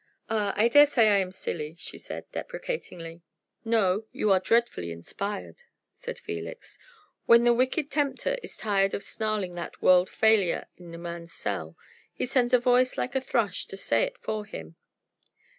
"Ah, I dare say I am silly," she said, deprecatingly. "No, you are dreadfully inspired," said Felix. "When the wicked Tempter is tired of snarling that word failure in a man's cell, he sends a voice like a thrush to say it for him.